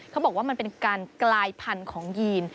เขาบอกว่ามันเป็นการกลายพันธุ์ของยีน